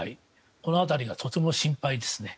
この辺りがとても心配ですね。